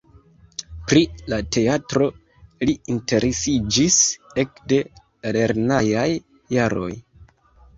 Pri la teatro li interesiĝis ekde la lernejaj jaroj.